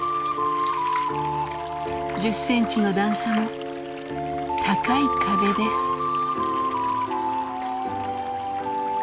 １０センチの段差も高い壁です。